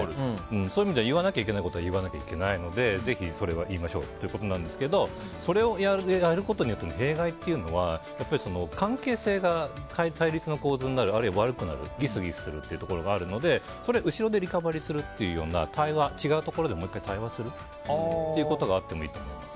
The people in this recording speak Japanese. そういう意味では言わなきゃいけないことは言わなきゃいけないのでぜひそれを言いましょうということなんですけどそれをやることによっての弊害っていうのは関係性が対立の構図になる、悪くなるギスギスするというのがあるので後ろでリカバリーするような違うところでもう１回対話するっていうことがあってもいいと思います。